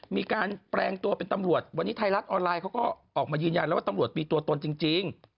มีการแปลงตัวเป็นตำรวจวันนี้ไทยรัฐออนไลน์เขาก็ออกมายืนยันแล้วว่าตำรวจมีตัวตนจริง